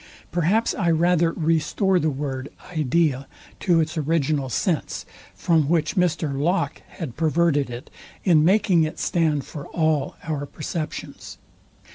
Perhaps I rather restore the word, idea, to its original sense, from which Mr Locke had perverted it, in making it stand for all our perceptions.